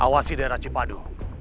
awas di daerah cipadu